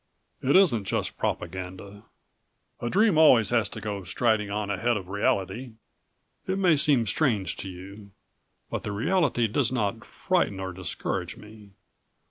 "It isn't just propaganda. A dream always has to go striding on ahead of reality. It may seem strange to you, but the reality does not frighten or discourage me.